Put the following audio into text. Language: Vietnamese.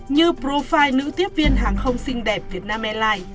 như profi nữ tiếp viên hàng không xinh đẹp việt nam airlines